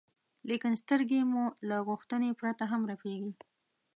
لیکن سترګې مو له غوښتنې پرته هم رپېږي.